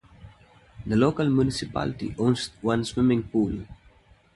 The local municipality owns one swimming pool.